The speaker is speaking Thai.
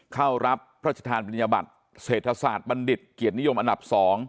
เข้ารับพระชธานปริญญาบัติเศรษฐศาสตร์บัณฑิตเกียรตินิยมอันดับ๒